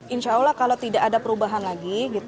insya allah kalau tidak ada perubahan lagi